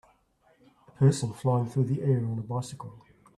A person flying through the air on a bicycle.